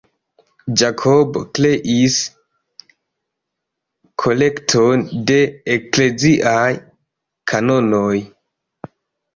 Jakobo kreis "kolekton de ekleziaj kanonoj".